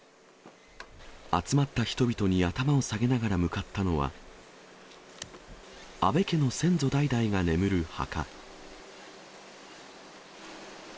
集まった人々に頭を下げながら向かったのは、安倍家の先祖代々が眠る墓。